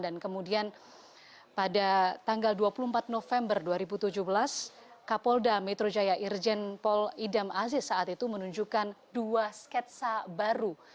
dan kemudian pada tanggal dua puluh empat november dua ribu tujuh belas kapolda metro jaya irjen pol idam aziz saat itu menunjukkan dua sketsa baru